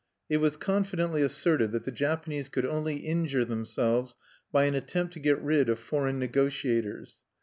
It was confidently asserted that the Japanese could only injure themselves by any attempt to get rid of foreign negotiators.